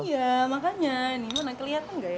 iya makanya ini mana kelihatan nggak ya